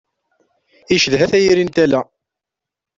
Icedha tayri n tala.